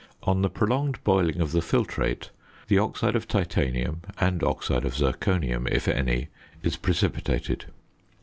On the prolonged boiling of the filtrate, the oxide of titanium (and oxide of zirconium, if any) is precipitated.